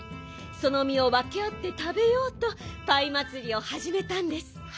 そのみをわけあってたべようとパイまつりをはじめたんです。